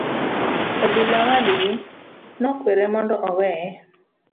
Obila wadgi nokwere mondo oweye.